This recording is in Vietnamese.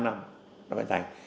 nó phải thành